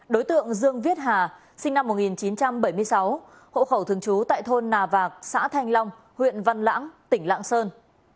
đối tượng dương viết hà sinh năm một nghìn chín trăm bảy mươi sáu hộ khẩu thường trú tại thôn nà vạc xã thanh long huyện văn lãng tỉnh lạng sơn